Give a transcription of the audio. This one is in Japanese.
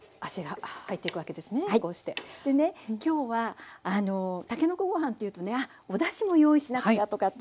でね今日はたけのこご飯というとねあっおだしも用意しなくちゃとかって思うでしょ？